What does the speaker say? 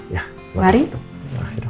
ya makasih dok